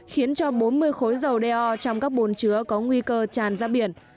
khiến cho bốn mươi khối dầu đeo trong các bồn chứa có nguy cơ tràn ra biển